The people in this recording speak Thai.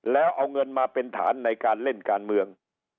แล้วเอาเงินมาเป็นฐานในการเล่นการเมือง